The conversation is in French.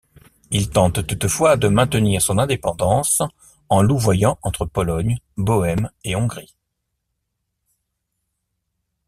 Il tente toutefois de maintenir son indépendance en louvoyant entre Pologne, Bohême et Hongrie.